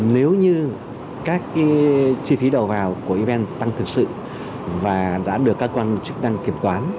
nếu như các chi phí đầu vào của evn tăng thực sự và đã được các quan chức đăng kiểm toán